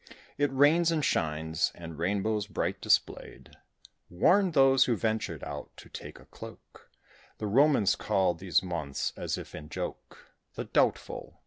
It rains and shines, and rainbows bright displayed Warned those who ventured out to take a cloak: The Romans called these months, as if in joke, The doubtful.